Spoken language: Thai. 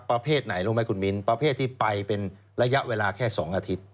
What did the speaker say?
ประเภทไหนรู้ไหมคุณมิ้นประเภทที่ไปเป็นระยะเวลาแค่๒อาทิตย์